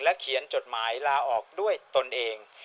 เขียนจดหมายลาออกด้วยตนเอง